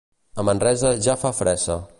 A Manresa ja fa fressa.